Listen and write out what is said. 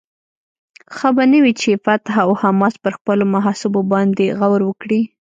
ښه به نه وي چې فتح او حماس پر خپلو محاسبو بیا غور وکړي؟